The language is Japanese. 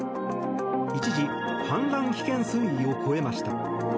一時、氾濫危険水位を越えました。